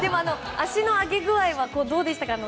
脚の上げ具合はどうでしたか？